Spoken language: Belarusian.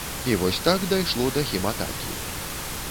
І вось так дайшло да хіматакі.